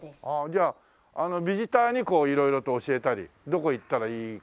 じゃあビジターにこう色々と教えたりどこへ行ったらいいかとか。